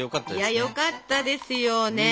いやよかったですよね。